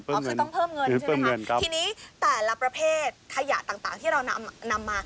ทีนี้แต่ละประเภทขยะต่างที่เรานำมา